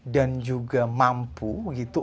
dan juga mampu gitu